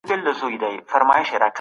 د ځوانانو ځواک د پرمختګ لامل کیږي.